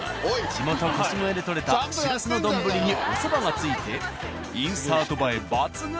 地元腰越で取れたしらすの丼におそばが付いてインサート映え抜群！